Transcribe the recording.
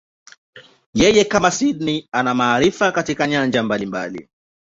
Yeye, kama Sydney, ana maarifa katika nyanja mbalimbali.